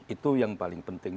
itu yang paling penting